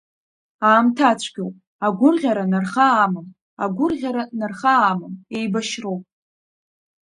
Аамҭацәгьоуп, агәырӷьара нарха амам, агәырӷьара нарха амам еибашьроуп.